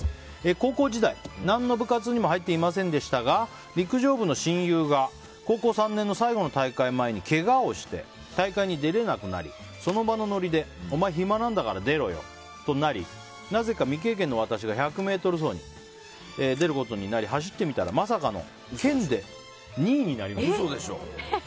高校時代、何の部活にも入っていませんでしたが陸上部の親友が高校３年の最後の大会前にけがをして、大会に出れなくなりその場のノリでお前暇なんだから出ろよとなりなぜか未経験の私が１００ｍ走に出ることになり走ってみたら、まさかの県で２位になりました。